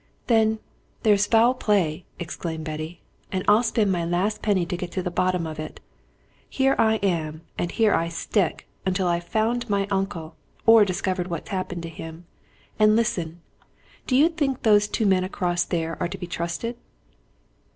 "Then there's foul play!" exclaimed Betty. "And I'll spend my last penny to get at the bottom of it! Here I am, and here I stick, until I've found my uncle, or discovered what's happened to him. And listen do you think those two men across there are to be trusted?"